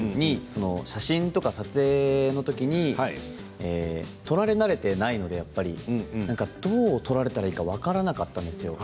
写真とか撮影の時に撮られ慣れていないのでどう撮られたらいいか分からなかったんですよ。